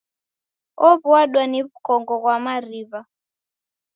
Ow'adwa ni w'ukongo ghwa mariw'a